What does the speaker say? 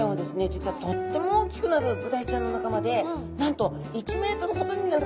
実はとっても大きくなるブダイちゃんの仲間でなんと１ｍほどになることもあるんですね。